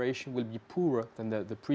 bagian besar dari eropa